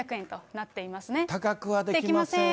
高くはできません。